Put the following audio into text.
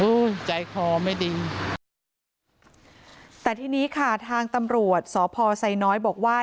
ใจคอไม่ดีแต่ทีนี้ค่ะทางตำรวจสพไซน้อยบอกว่า